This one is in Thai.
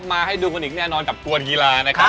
มาให้ดูกันอีกแน่นอนกับตัวกีฬานะครับ